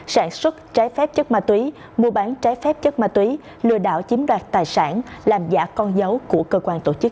sản xuất trái phép chất ma túy mua bán trái phép chất ma túy lừa đảo chiếm đoạt tài sản làm giả con dấu của cơ quan tổ chức